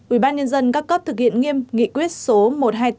ubnd các cấp thực hiện nghiêm nghị quyết số một mươi một